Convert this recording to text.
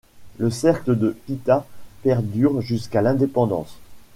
Le cercle de Kita perdure jusqu’à l’indépendance.